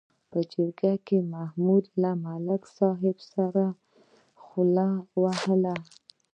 په جرګه کې محمود له ملک صاحب سره خوله ووهله.